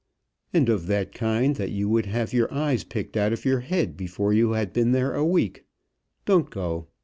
"And of that kind that you would have your eyes picked out of your head before you had been there a week. Don't go.